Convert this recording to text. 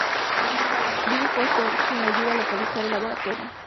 Bill Foster, quien los ayuda a localizar el laboratorio.